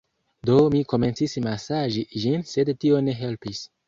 Do, mi komencis masaĝi ĝin sed tio ne helpis